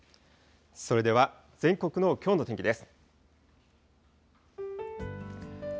それでは全国のきょうの天気です。